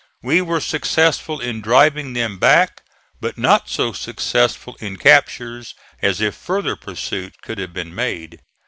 We were successful in driving them back, but not so successful in captures as if farther pursuit could have been made.